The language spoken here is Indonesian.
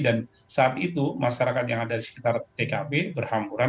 dan saat itu masyarakat yang ada di sekitar tkp berhampuran